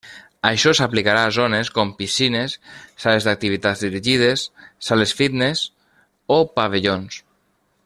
Això s'aplicarà a zones com piscines, sales d'activitats dirigides, sales fitness o pavellons.